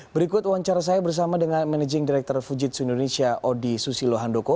berikut wawancara saya bersama dengan managing director fujitsu indonesia odi susilo handoko